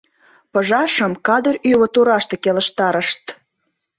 Пыжашым кадыр ӱвӧ тураште келыштарышт.